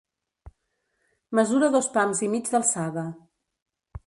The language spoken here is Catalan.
Mesura dos pams i mig d'alçada.